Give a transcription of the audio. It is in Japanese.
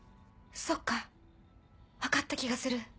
そっか分かった気がする。